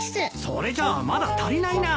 それじゃあまだ足りないな。